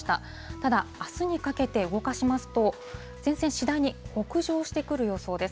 ただ、あすにかけて動かしますと、前線、次第に北上してくる予想です。